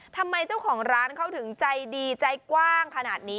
ทำไมเจ้าของร้านเขาถึงใจดีใจกว้างขนาดนี้